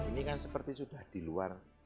ini kan seperti sudah di luar